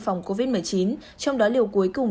phòng covid một mươi chín trong đó điều cuối cùng